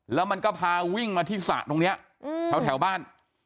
แล้วมันก็พาวิ่งมาที่สระตรงนี้แถวบ้าน